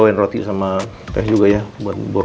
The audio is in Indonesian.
pasti ngelompon juga semuanya